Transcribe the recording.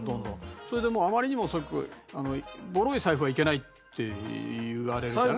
それでもうあまりにもボロい財布はいけないって言われるじゃない。